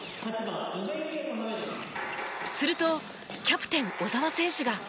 するとキャプテン小澤選手が。